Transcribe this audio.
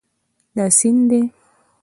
دا سیند دی